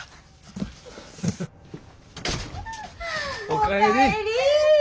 お帰り！